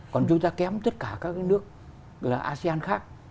còn chúng ta kém tất cả các nước là asean khác